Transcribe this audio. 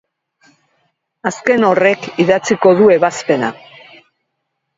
Azken horrek idatziko du ebazpena.